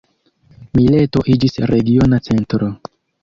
Mileto iĝis regiona centro.